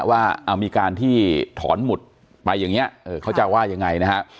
ว่ามีการที่ถอนหมุดไปอย่างนี้เขาจะว่ายังไงนะฮะ